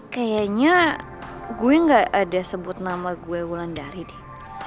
kayaknya gue gak ada sebut nama gue wulandari deh